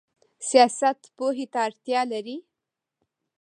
سیاست پوهې ته اړتیا لري؟